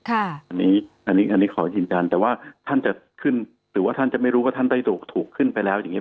อันนี้อันนี้ขอยืนยันแต่ว่าท่านจะขึ้นหรือว่าท่านจะไม่รู้ว่าท่านได้ถูกขึ้นไปแล้วอย่างนี้